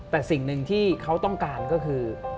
แต่สิ่งหนึ่งที่เขาต้องการก็คือ